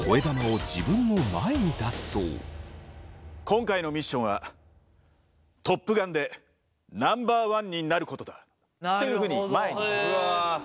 「今回のミッションはトップガンでナンバーワンになることだ」というふうに前に出す。